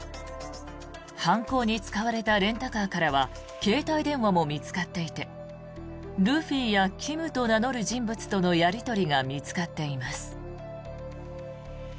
犯行に使われたレンタカーからは携帯電話も見つかっていてルフィやキムと名乗る人物とのやり取りが見つかっています。